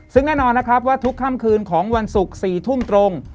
ซึ่งแน่นอนนะครับว่าทุกค่ำคืนของวันศุกร์๔ทุ่มตรง